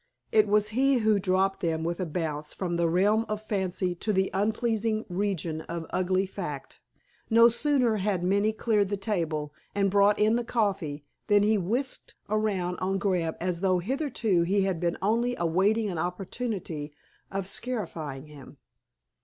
_ It was he who dropped them with a bounce from the realm of fancy to the unpleasing region of ugly fact. No sooner had Minnie cleared the table, and brought in the coffee, than he whisked around on Grant as though hitherto he had been only awaiting an opportunity of scarifying him.